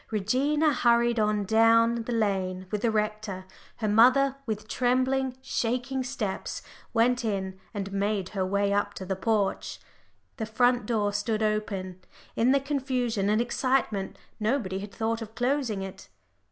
Regina hurried on down the lane with the rector, her mother with trembling, shaking steps, went in and made her way up to the porch. The front door stood open; in the confusion and excitement nobody had thought of closing it.